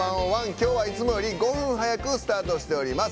今日は、いつもより５分早くスタートしております。